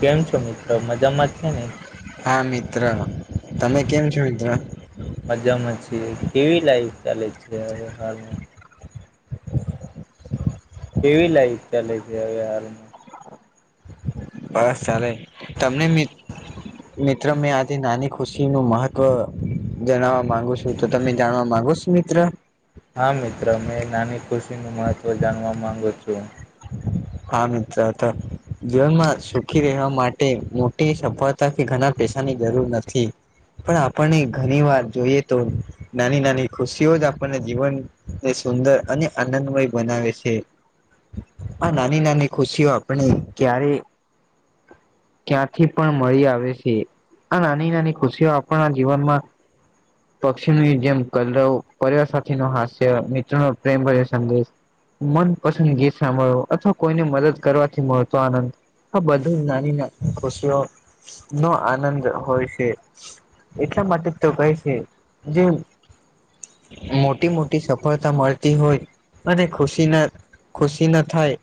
કેમ છો મિત્રો મજામાં છે ને હા મિત્ર, તમે કેમ છો મિત્ર મજામાં છીએ કેવી લાઈક ચાલે છે હવે હાલમાં કેવી લાઈફ ચાલે છે, હવે હાલ બસ ચાલે તમને મિ- મિત્ર મેં આજે નાની ખુશીનું મહત્વ જણાવવા માંગુ છું તો તમે જાણવા માંગુસો મિત્ર હા મિત્ર મેં નાની ખુશીનું મહત્ત્વ જાણવા માંગુ છું. હા મિત્ર તો જીવનમાં સુખી રહેવા માટે સફળતા કે ઘણા પૈસાની જરૂર નથી, પણ આપણને ઘણી વાર જોઈએ તો નાની નાની ખુશીઓ જ આપણને જીવનને સુંદર અને આનંદમય બનાવે છે. આ નાની નાની ખુશીઓ આપણે ક્યારેય ક્યાંથી પણ મળી આવે છે, આ નાની નાની ખુશીઓ આપના જીવનમાં પક્ષીની જેમ કલરવ, પરિવાર સાથેનો હાસ્ય, મિત્રોનો પ્રેમ સંદેશ મનપસંદ ગીત સાંભળો અથવા કોઈને મદદ કરવાથી મળતો આનંદ તો બધું જ નાની નાની ખુશીઓનો આનંદ હોય છે. એટલા માટે તો કહે છે જે મોટી મોટી સફળતા મળતી હોય અને ખુશીના ખુશી ના થાય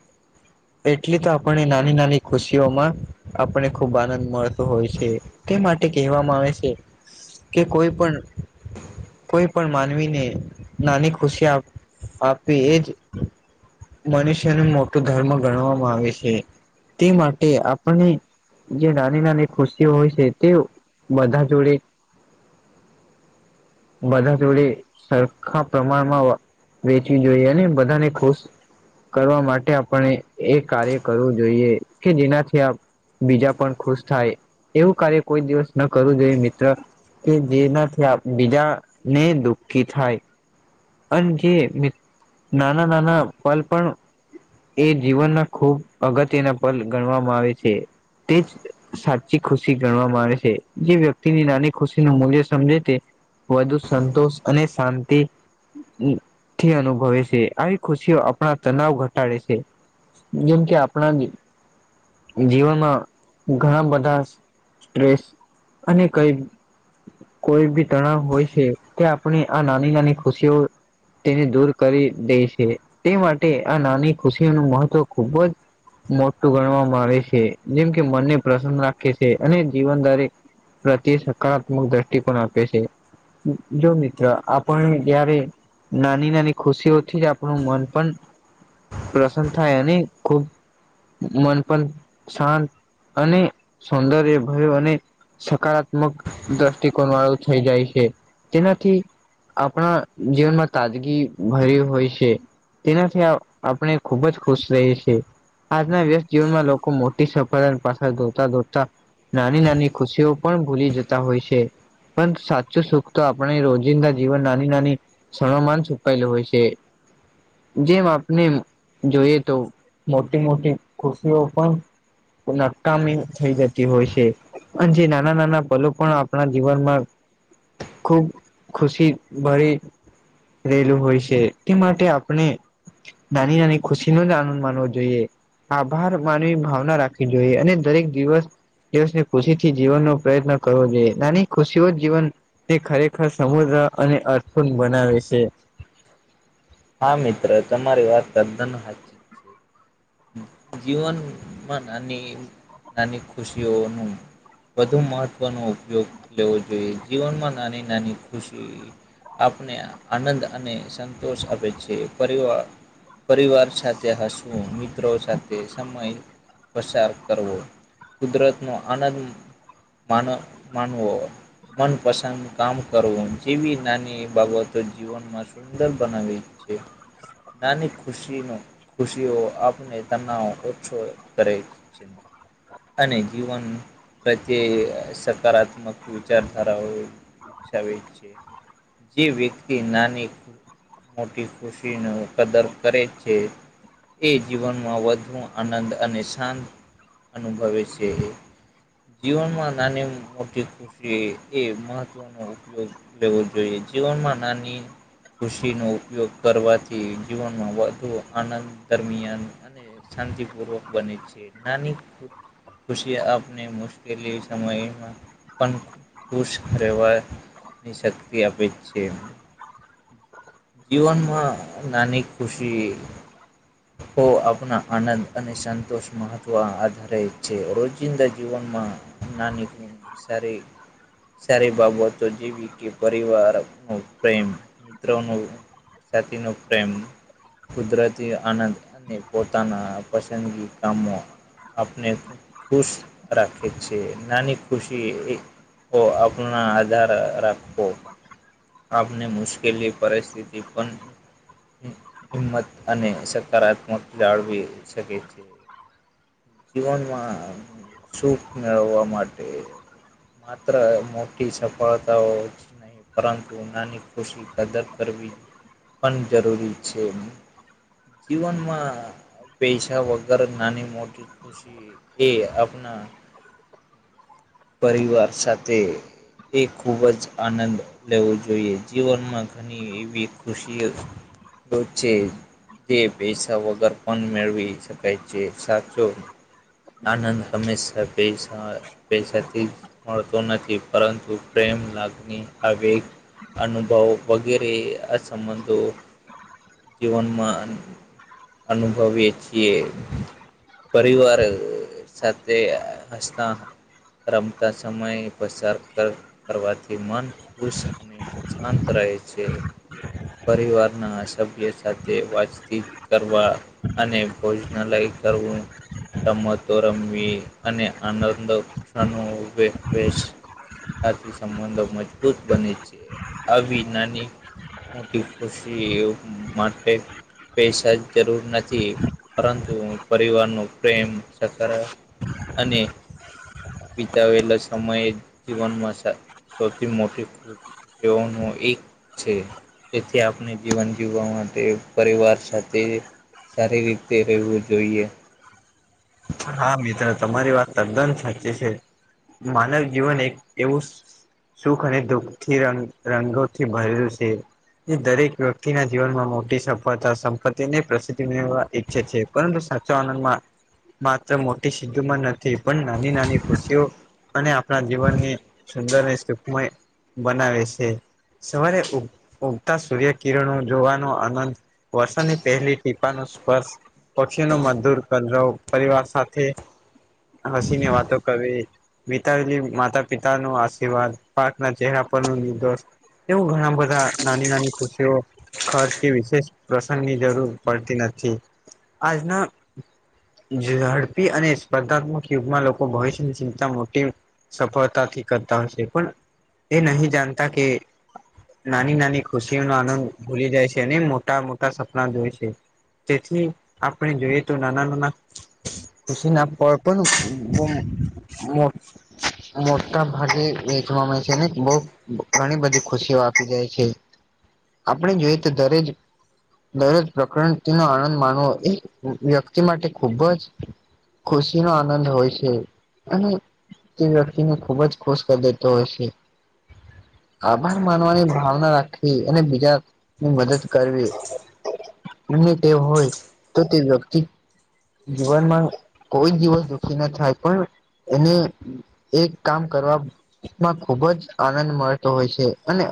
એટલી તો આપણે નાની નાની ખુશીઓમાં આપને ખુબ આનંદ મળતો હોય છે તે માટે કહેવામાં આવે છે. કે કોઈ પણ કોઈ પણ માનવીને નાની ખુશી આપવી એજ મનુષ્યને મોટું ધર્મ ગણવામાં આવે છે તે માટે આપને જે નાની નાની ખુશીઓ હોય છે તે બધા જોડે બધા જોડે સરખા પ્રમાણમાં વેચવી જોઈએ અને બધાને ખુશ કરવા માટે આપણે એ કાર્ય કરવું જોઈએ કે જેનાથી બીજા પણ ખુશ થાય એવું કાર્ય કોઈ દિવસ ન કરવું જોઈએ મિત્ર કે જેના બીજાને દુઃખી થાય. અને જે નાના નાના પલ પણ એ જીવનના ખૂબ અગત્યના પન ગણવામાં આવે છે તે જ સાચી ખુશી ગણવાવામાં આવે છે જે વ્યક્તિની નાની ખુશી નું મૂલ્ય સમજે વધુ સંતોષ અને શાંતિ થી અનુભવે છે આવી ખુશીઓ આપણા તનાવ ઘટાડે છે. જેમ કે આપણા જીવનમાં ઘણા બધા સ્ટ્રેસ અને કઈ કોઈ બી તણાવ હોય છે કે આપણે આ નાની નાની ખુશીઓ તેને દૂર કરી દે છે તે માટે આ નાની ખુશીનું મહત્વ ખૂબ જ મોટું ગણવાવામાં આવે છે જેમ કે મનને પ્રસન્ન રાખે છે અને જીવન દરેક પ્રત્યે સકારાત્મક દ્રષ્ટિકોણ આપે છે જો મિત્ર આપણ જય્યારે નાની નાની ખુશીઓથી જ આપણું મન પણ પ્રસન્ન થાય અને ખુબ મન પણ શાંત અને સૌંદર્ય ભયો અને સકારાત્મક દ્રષ્ટ િકોણ વાળું થઈ જાય છે તેનાથી આપણા જીવનમાં તાજગી ભરી હોય છે. તેનાથી આપણે ખુબ જ ખુશ રહીએ છીએ આજના વ્યસ્ત જીવનમાં લોકો મોટી સફળતા પાછળ ધોતા ધોતા નાની નાની ખુશીઓ પણ ભૂલી જતા હોય છે. પણ સાચું સુખ તો આપણે રોજિંદા જીવન નાની નાની સણમાન છોપાયેલું હોય છે જેમ આપને જોઈએ તો મોટી મોટી ખુશીઓ પણ નકામી થઈ જતી હોય છે અને જે નાના નાના પલો પણ આપણા જીવનમાં ખુબ ખુશી ભરી રહેલું હોય છે તે માટે આપણે નાની નાની ખુશી નો જ આનંદ માનવો જોઈએ આભાર માનવી ભાવના રાખવી જોઈએ અને દરેક દિવસ દિવસને ખુશી થી જીવનનોો પ્રયત્ન કરવો જોઈએ નાની ખુશીઓ જીવન તે ખરેખર સમુદ્ર અને અર્ૂણ બનાવે છે. હા મિત્ર તમારી વાત કર ધન હા જીવનમાં નાની નાની ખુશીઓનું વધુ મહત્વનો ઉપયોગ લેવો જોઈએ જીવનમાં નાની નાની ખુશી આપને આનંદ અને સંતોષ આપે છે પરિવાર પરિવાર સાથે હસવું મિત્રો સાથે સમય પસાર કરવો કુદરત નો આનંદ મા માનવો મનપસંદ કામ કરવું જેવી નાની બાબતો જીવનમાં શ સુંદર બનાવી છે નાની ખુશી ખુશીઓ આપણે ઓછો કરે છે અને જીવન પ્રત્યે સકારાત્મક વિચારધારાઓ વિકશાવ છે. જે વ્યક્તિ નાની મોટી ખુશી ન કદર કરે છે એ જીવન માં વધુ આનંદ અને શાંત અનુભવે છે. જીવનમાં નાની મોટી એ મહત્વનો ઉપયોગ લેવો જોઈએ જીવનમાં નાની ખુશીનો ઉપયોગ કરવાથી જીવનમાં વધુ આનંદ દરમિયાન અને શાંતિપૂર્વક બને છે નાની ખુશી આપણે મુશ્કેલી સમયમાં પણ ખુશ રહેવાની શક્તિ આપે છે. જીવનમાં નાની ખુશી તો આપણા આનંદ અને સંતોષ મહત્વ આધારે છે રોજિંદા જીવનમાં નાની ઘ વિસાર સારી બાબતો જેવી કે પરિવાર ન પ્રેમ મિત્રો ન સાતી નો પ્રેમ કુદરતી આનંદ અને પોતાના પસંદગી કામો આપને ખૂબ ખુશ રાખે છે નાની ખુશી એ કો આપના આધાર રાખો આપને મુશ્કેલી પરિસ્થિતિ પણ હિંમત અને સકારાત્મક જાળવી શકે છે. જીવનમાં સુખ મેળવવા માટે માત્ર મોટી સફળતાઓ પરંતુ નાની ખુશી કદર કરવી પણ જરૂરી છે. જીવનમાં પૈસા વગર નાની મોટી ખુશ. એ આપણા પરિવાર સાથે. એ ખૂબ જ આનંદ લેવો જોઈએ જીવનમાં તો. અને એવી ખુશી હો છે જે. પૈસા વગર પણ મેળવી શકાય છે સાચો. આનંદ હંમેશા પેશા પેશાથી. મળતો નથી પરંતુ પ્રેમ લાગણી આવે. અનુભવ વગેરે આ સંબંધો જીવનમાં. અનુભવી છીએ. પરિવાર સાથે હસતા. રમતા સમય પસાર કરવાથી મન ખુશ અને. શાંત રહે છે પરિવારના સભ્ય સાથે વાતચીત. કરવા અને ભોજનાલય કરવું. રમતો રમવી અને આનંદ આથી સંબંધો મજબૂત બને છે આવી નાની. મોટી ખુશી એ માટે પૈસા જ. જરૂર નથી પરંતુ પરિવાર ન પ્રેમક અને. બિતાવેલા સમયે જીવનમાં સૌથી મોટી ખૂબ તેઓ ન એક છે. જેથી આપણે જીવન જીવવા માટે પરિવાર સાથે. તે સારી રીતે રહેવું જોઈએ. હા મિત્ર તમારી વાત તદ્દન સાચી છે માનવ જીવન એક એવું. સુખ અને દુઃખથી રંગ રંગોથી ભરેયું છે એ દરેક વ્યક્તિના જીવનમાં મોટી સફળતા સંપત્તિને પ્રસિદ્ધિ કરવા. ઈચ્છે છે પરંતુ સાચો આનંદમાં. માત્ર મોટી સીધુમાં નથી પણ નાની નાની ખુશીઓ. અને આપણા જીવનને સુંદર અને સુખમય બનાવે છે. સવારે ઉગતા સૂર્ય કિરણો જોવાનો આનંદ. વર્ષની પહેલી ટીપા ન સ્પર્શ પછી ન મધુર કર પરિવાર સાથે હસીને વાતો કરવી. વિતાયેલી માતા પિતા ન આશીર્વાદ પાક ના ચહેરા પર ન નિર્દોષ એવું ગજામ બજા નાની નાની ખુશીઓ. ખર્ચ કે વિશેષ પ્રસંગની જરૂર પડતી નથી આજના. ઝડપી અને સ્પર્ધાત્મક યુગમાં લોકો ભવિષ્યની ચિંતા મોટી. સફળતાથી કરતા હશે પણ એ નહી જાણતા કે. નાની નાની ખુશીઓનો આનંદ ભૂલી જાય છે અને મોટા મોટા સપના જોય છે. તેથી આપણે જોઈએ તો નાના નાના. ખુશી ના કો પણ. મોરતા ભાગી એકમાં છેને બહુ ઘણી બધી ખુશીઓ આપી જાય છે આપણે જોઈએ તો દરેક. દરેજ પ્રકૃતિ નો આનંદ માનવો એક વ્યક્તિ માટે. ખુબ જ ખુશી નો આનંદ હોય છે અને તે વ્યક્તિને ખુબ જ ખુશ કરી દેતો હોય છે. આર માનવાને ભાવના રાખી અનેને બીજા. ની મદદ કરવી અને તે હોય તો તે વ્યક્તિ. જીવનમાં કોઈ દીવસ દુખી ના થાય પણ એને. એ કામ કરવામાં ખુબ જ આનંદ મળતો હોય છે અને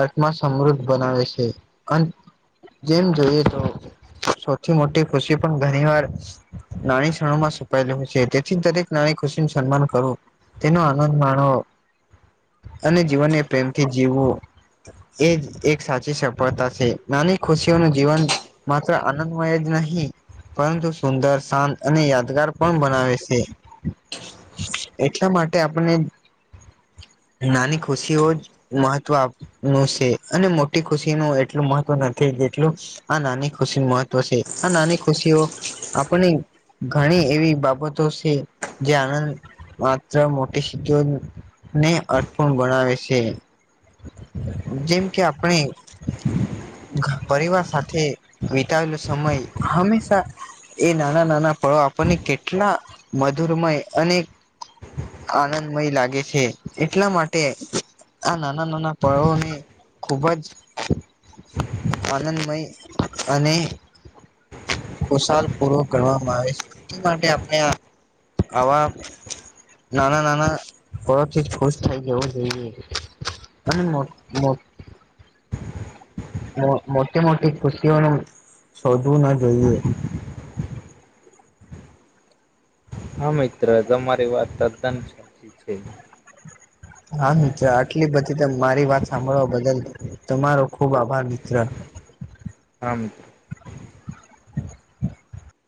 આત્મા સમૃદ્ધ બનાવે છે. જેમ જોઈએ તો સૌથી મોટી ખુશી પણ ઘણી વાર- નાની ક્ષણો માં છોપાયેલી હોય છે તેથી દરેક નાની ખુશી ન સન્માન કરવું- તેનો આનંદ માણો અને જીવનને પ્રેમથી જીવવું- એજ એક સાચી સફળતા છે નાની ખુશીઓનું જીવન- માત્ર આનંદમય જ નહી પરંતુ- સુંદર શાંત અને યાદગાર પણ બનાવે છે. એટલા માટે આપને નાની ખુશીઓ- મહત્વ આપનું છે અને મોટી ખુશી નુ એટલું મહત્વ નથી જેટલું- હ નાની ખુશી મહત્વ છે હ નાની ખુશીઓ- આપને ઘણી એવી બાબતો છે જે આનંદ- માત્ર મોટી સીધોને અર્થપૂર્ણ બનાવે છે. જેમ કે આપણે- પરિવાર સાથે વિતાવેલો સમય હંમેશા- એ નાના નાના ફળો આપણને કેટલા મધુરમય અને- આનંદમય લાગે છે એટલા માટે આ નાના નાના પળોને- ખૂબ જ- આનંદમય અને ખુશાલ- કરવામાં આવે છે એ માટે આપણે આવા- નાના નાના પત્ળ ખુશ થઈ જવો જોઈએ- અને મો મોટ- મોટી મોટી ખુશી ઓને શોધવું ના જોઈએ- હા મિત્ર તમારી વાત તદ્દન સાચી છે. હા મિત્ર આટલી બધી તો મારી વાત સાંભળવા બદલ તમારો ખુબ આભાર મિત્ર- હમ